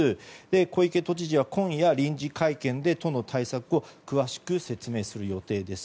小池都知事は今夜、臨時会見で都の対策を詳しく説明する予定です。